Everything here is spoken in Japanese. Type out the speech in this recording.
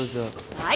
はい。